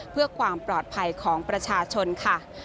เพื่อความปลอดภัยของประชาชนค่ะ